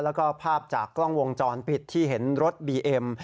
แล้วก็ภาพจากกล้องวงจรปิดที่เห็นรถบีเอ็ม